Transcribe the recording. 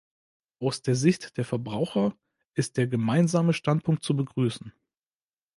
Aus der Sicht der Verbraucher ist der Gemeinsame Standpunkt zu begrüßen.